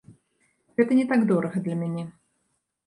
Гэта не так дорага для мяне.